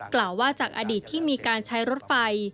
กล่าวว่าจากอดีตที่มีการใช้รถไฟ